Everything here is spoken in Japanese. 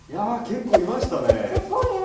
結構いましたね。